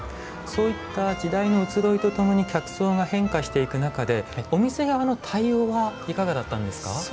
そういった時代の移ろいとともに客層が変化していく中でお店側の対応はいかがだったんですか？